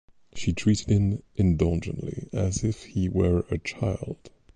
She treated him indulgently, as if he were a child.